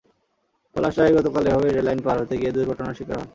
পলাশ রায় গতকাল এভাবে রেললাইন পার হতে গিয়ে দুর্ঘটনার শিকার হন।